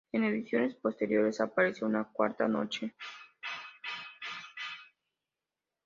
En ediciones posteriores apareció una cuarta noche.